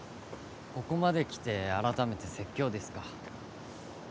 ここまで来て改めて説教ですか？